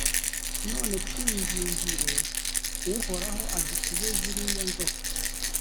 none twingingire uhoraho adukize ziriya nzoka.